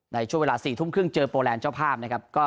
ในช่วงเวลา๔๓๐เจอโปรแลนด์เจ้าภาพ